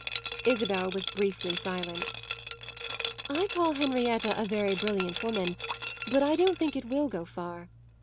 Isabel was briefly silent. "I call Henrietta a very brilliant woman, but I don't think it will go far.